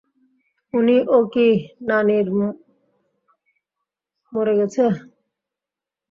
উনি ও কি নানির মরে গেছে?